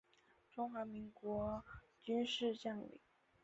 中华民国军事将领。